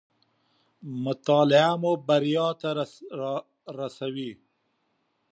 مطالعه مو بريا ته راسوي